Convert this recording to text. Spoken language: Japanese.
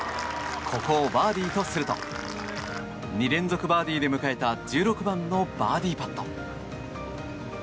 ここをバーディーとすると２連続バーディーで迎えた１６番のバーディーパット。